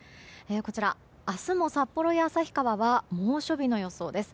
こちら、明日も札幌や旭川は猛暑日の予想です。